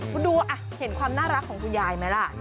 คุณดูเห็นความน่ารักของคุณยายไหมล่ะ